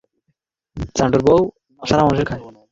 এখানেই সব শেষ না।